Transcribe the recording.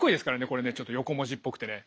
これねちょっと横文字っぽくてね。